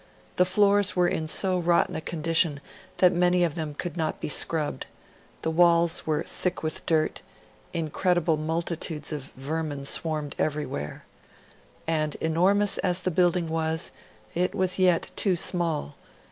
The floors were in so rotten a condition that many of them could not be scrubbed; the walls were thick with dirt; incredible multitudes of vermin swarmed everywhere. And, enormous as the building was, it was yet too small.